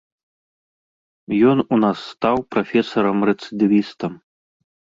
Ён у нас стаў прафесарам-рэцыдывістам.